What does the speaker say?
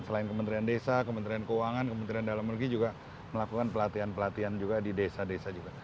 selain kementerian desa kementerian keuangan kementerian dalam negeri juga melakukan pelatihan pelatihan juga di desa desa juga